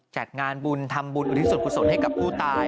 จัดงานบุญทำบุญอุทิศส่วนกุศลให้กับผู้ตาย